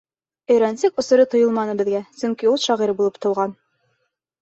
Өйрәнсек осоро тойолманы беҙгә, сөнки ул шағир булып тыуған.